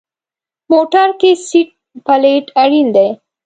موټر کې سیټ بیلټ اړین دی.